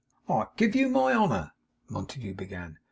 'I give you my honour ' Montague began.